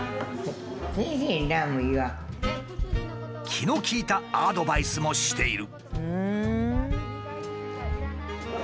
気の利いたアドバイスもしている。